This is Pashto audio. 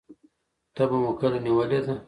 تبه مو کله نیولې ده؟